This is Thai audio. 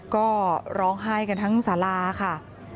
ก็ร้องห้ายทั้งศาลาค่ะ